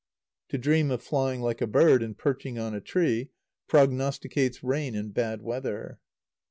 To dream of flying like a bird, and perching on a tree, prognosticates rain and bad weather.